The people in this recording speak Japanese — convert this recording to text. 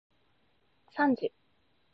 さんじ